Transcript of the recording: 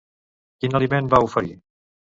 Quin aliment va oferir?